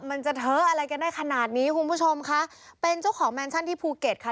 มันจะเทอะอะไรกันได้ขนาดนี้คุณผู้ชมคะเป็นเจ้าของแมนชั่นที่ภูเก็ตค่ะ